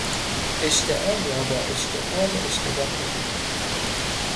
اشتعال را با اشتغال اشتباه نکنید